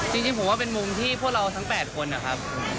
จริงผมว่าเป็นมุมที่พวกเราทั้ง๘คนนะครับ